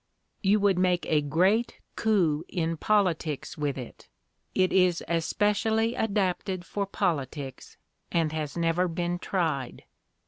"You would make a great coup in politics with it; it is especially adapted for politics, and has never been tried."